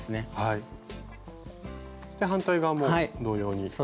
そして反対側も同様に。